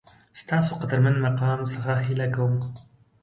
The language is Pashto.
ستاسو قدرمن مقام څخه هیله کوم